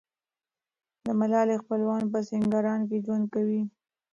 د ملالۍ خپلوان په سینګران کې ژوند کوي.